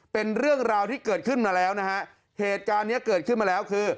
เป็นเรื่องราวที่เกิดขึ้นมาแล้วนะฮะเหตุการณ์เนี้ยเกิดขึ้นมาแล้วคือ